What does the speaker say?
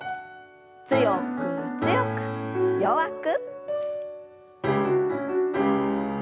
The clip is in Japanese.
強く強く弱く。